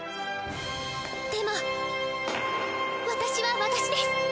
でも私は私です！